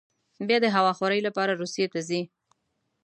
بیا د هوا خورۍ لپاره روسیې ته ځي.